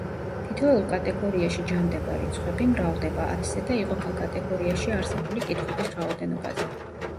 თითოეულ კატეგორიაში ჯამდება რიცხვები, მრავლდება ათზე და იყოფა კატეგორიაში არსებული კითხვების რაოდენობაზე.